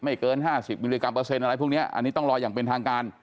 เกิน๕๐มิลลิกรัเปอร์เซ็นต์อะไรพวกนี้อันนี้ต้องรออย่างเป็นทางการ